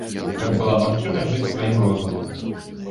Каб была магчымасць жыць сваім розумам.